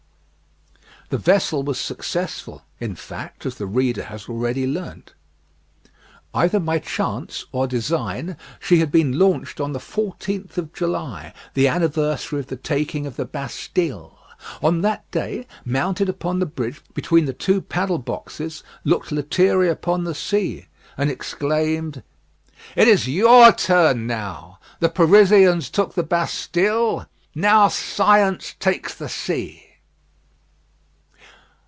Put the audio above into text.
The vessel was successful, in fact, as the reader has already learnt. Either by chance or design she had been launched on the 14th of July, the anniversary of the taking of the Bastille. On that day, mounted upon the bridge between the two paddle boxes, looked Lethierry upon the sea, and exclaimed, "It is your turn now! The Parisians took the Bastille, now science takes the sea."